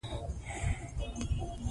زياتره تاريخ ليکونکي دروغ وايي.